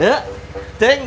ya ceng doi